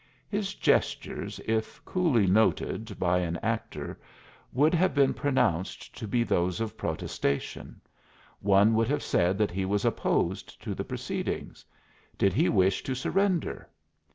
His gestures, if coolly noted by an actor, would have been pronounced to be those of protestation: one would have said that he was opposed to the proceedings. Did he wish to surrender?